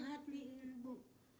terima kasih ibu